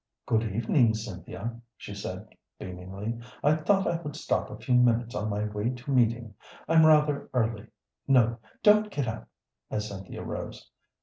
"Good evening, Cynthia," she said, beamingly. "I thought I would stop a few minutes on my way to meeting. I'm rather early. No, don't get up," as Cynthia rose.